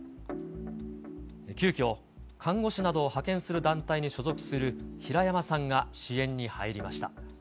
急きょ、看護師などを派遣する団体に所属する平山さんが支援に入りました。